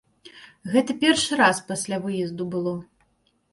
Гэта першы раз пасля выезду было.